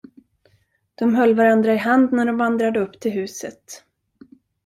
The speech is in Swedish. De höll varandra i hand när de vandrade upp till huset.